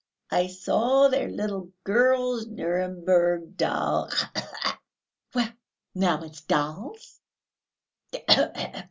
I saw their little girl's Nuremburg doll ... khee khee...." "Well, now it's dolls!"